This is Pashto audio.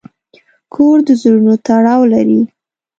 کور د زړونو تړاو لري.